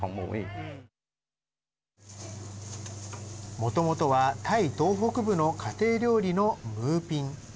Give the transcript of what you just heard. もともとは、タイ東北部の家庭料理のムーピン。